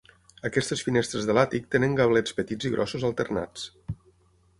Aquestes finestres de l'àtic tenen gablets petits i grossos alternats.